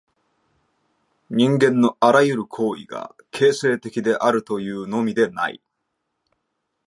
人間のあらゆる行為が形成的であるというのみでない。